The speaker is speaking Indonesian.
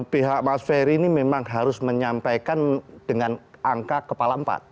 pihak mas ferry ini memang harus menyampaikan dengan angka kepala empat